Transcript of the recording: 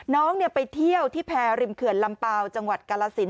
น้องไปเที่ยวที่แพร่ริมเขื่อนลำเปล่าจังหวัดกาลสิน